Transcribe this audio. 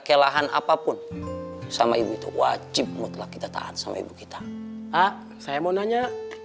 ke lahan apapun sama ibu itu wajib mutlak kita tahan sama ibu kita saya mau nanya